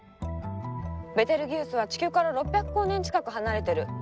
ベテルギウスは地球から６００光年近く離れてる。